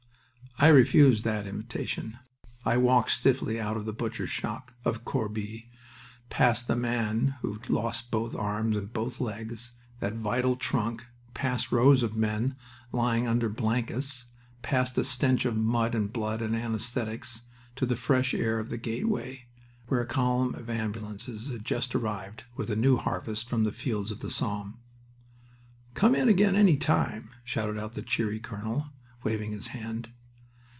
I refused that invitation. I walked stiffly out of the Butcher's Shop of Corbie past the man who had lost both arms and both legs, that vital trunk, past rows of men lying under blankets, past a stench of mud and blood and anesthetics, to the fresh air of the gateway, where a column of ambulances had just arrived with a new harvest from the fields of the Somme. "Come in again, any time!" shouted out the cheery colonel, waving his hand.